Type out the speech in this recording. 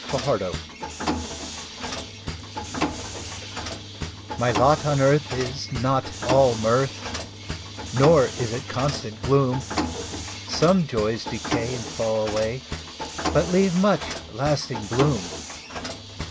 MY LOT My lot on earth is not all mirth, Nor is it constant gloom; Some joys decay and fall away, But leave much lasting bloom.